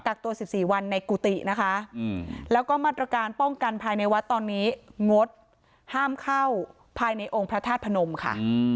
ตัว๑๔วันในกุฏินะคะแล้วก็มาตรการป้องกันภายในวัดตอนนี้งดห้ามเข้าภายในองค์พระธาตุพนมค่ะ